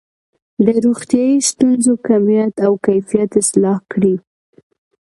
د روغتیايي ستونزو کمیت او کیفیت اصلاح کړي.